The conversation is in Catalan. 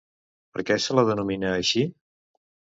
Per què se la denomina així?